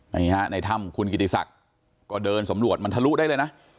นี่ฮะในถ้ำคุณกิติศักดิ์ก็เดินสำรวจมันทะลุได้เลยนะ